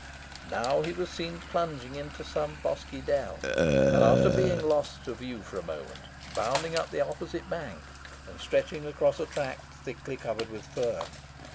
Now he was seen plunging into some bosky dell; and, after being lost to view for a moment, bounding up the opposite bank, and stretching across a tract thickly covered with fern.